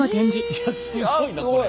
いやすごいなこれ。